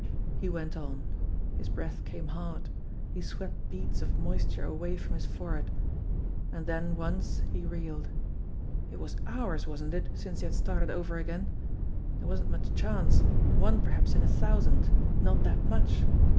He went on. His breath came hard. He swept beads of moisture away from his forehead and then once he reeled. It was hours, wasn't it, since he had started over again? There wasn't much chance one perhaps in a thousand not that much